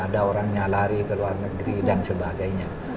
ada orangnya lari ke luar negeri dan sebagainya